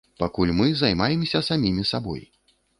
Пакуль мы займаемся самімі сабой.